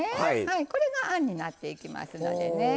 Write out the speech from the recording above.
これがあんになっていきますので。